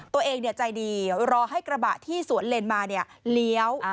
ตัวเองใจดีรอให้กระบะที่สวนเลนมาเลี้ยว